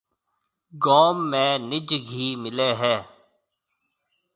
گوم ۾ نج گھِي ملي هيَ۔